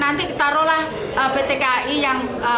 nanti taruhlah pt kai yang